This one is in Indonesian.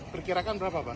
perkirakan berapa pak